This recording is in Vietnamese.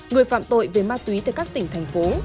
người phạm tội về ma túy từ các tỉnh thành phố